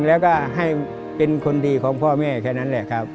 แล้วก็ให้เป็นคนดีของพ่อแม่แค่นั้นแหละครับ